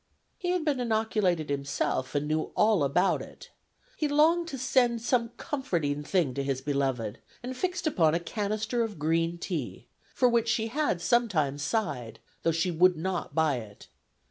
He had been inoculated himself, and knew all about it. He longed to send some comforting thing to his beloved, and fixed upon a canister of green tea, for which she had sometimes sighed, though she would not buy it.